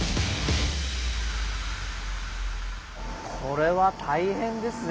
これは大変ですね